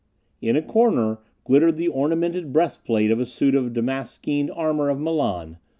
In a corner glittered the ornamented breastplate of a suit of damaskeened armor of Milan.